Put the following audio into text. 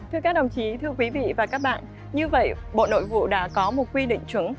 thưa các đồng chí thưa quý vị và các bạn như vậy bộ nội vụ đã có một quy định chứng